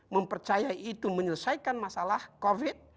mempercayai itu menyelesaikan masalah covid sembilan belas